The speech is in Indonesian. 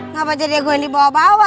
ngapain jadi gue yang dibawa bawa